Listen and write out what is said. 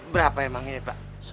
berapa emangnya pak